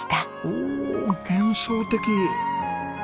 おお幻想的！